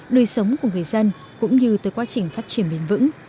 đời sống của người dân cũng như tới quá trình phát triển bền vững